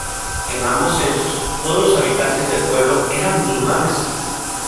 En ambos censos, todos los habitantes del pueblo eran musulmanes.